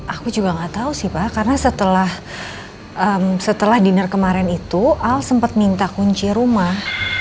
aku juga gak tahu sih pak karena setelah dinner kemarin itu al sempat minta kunci rumah